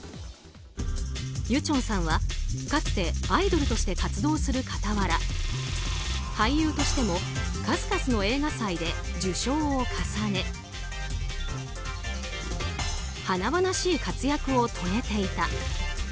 ユチョンさんはかつてアイドルとして活動する傍ら俳優としても数々の映画祭で受賞を重ね華々しい活躍を遂げていた。